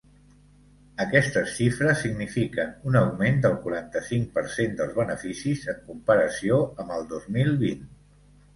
Aquestes xifres signifiquen un augment del quaranta-cinc per cent dels beneficis en comparació amb el dos mil vint.